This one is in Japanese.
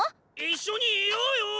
一緒にいようよ。